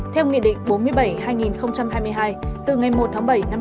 theo nghị định bốn mươi bảy hai nghìn hai mươi hai từ ngày một tháng bảy năm hai nghìn hai mươi